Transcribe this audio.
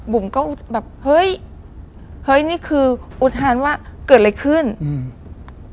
บุ๋มก็แบบเฮ้ยเฮ้ยนี่คืออุทานว่าเกิดอะไรขึ้นอืม